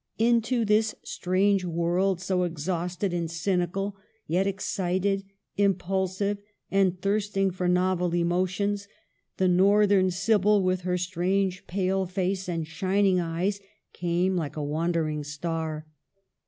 Into this strange world, so exhausted and cynical, yet excited, impulsive, and thirsting for novel emotions, the Northern Sybil, with her strange, pale face and shining eyes, came like a wandering star.